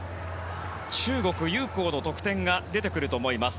中国、ユウ・コウの得点が出てくると思います。